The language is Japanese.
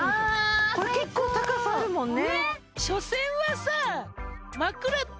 あ最高結構高さあるもんね